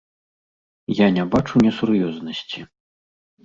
Я не бачу несур'ёзнасці.